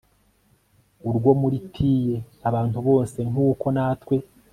urwo mu tiye abantu bose nk uko natwe